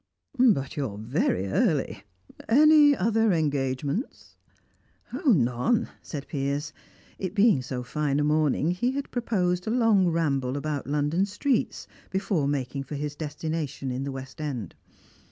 "But you're very early. Any other engagements?" "None," said Piers. It being so fine a morning, he had proposed a long ramble about London streets before making for his destination in the West End.